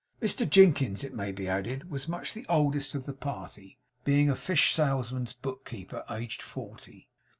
Mr Jinkins it may be added, was much the oldest of the party; being a fish salesman's book keeper, aged forty.